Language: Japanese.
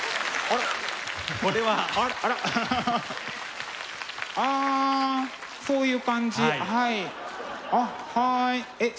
ああそういう感じ？